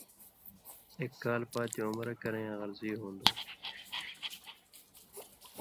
اېک کال پاتیۡ عُمرہ کرَیں یاں غرضی ہُون٘دوۡ؛